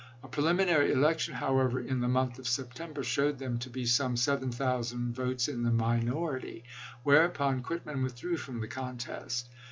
A preliminary election, however, in the month of September, showed them to be some seven thousand votes in the minority ; whereupon Quitman withdrew from the contest.